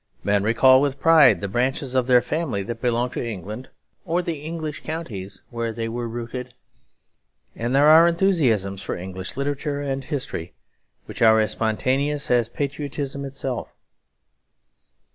Men recall with pride the branches of their family that belong to England or the English counties where they were rooted; and there are enthusiasms for English literature and history which are as spontaneous as patriotism itself.